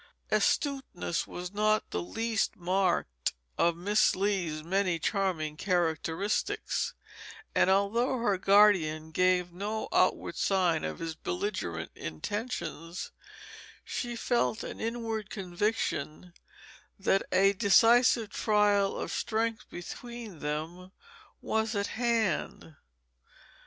Astuteness was not the least marked of Miss Lee's many charming characteristics, and although her guardian gave no outward sign of his belligerent intentions, she felt an inward conviction that a decisive trial of strength between them was at hand.